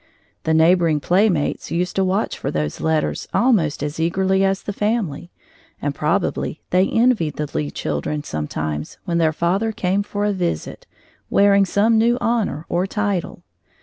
The neighboring playmates used to watch for those letters almost as eagerly as the family, and probably they envied the Lee children sometimes when their father came for a visit, wearing some new honor or title.